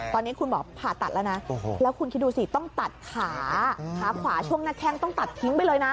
ตอนนี้คุณหมอผ่าตัดแล้วนะแล้วคุณคิดดูสิต้องตัดขาขาขวาช่วงหน้าแข้งต้องตัดทิ้งไปเลยนะ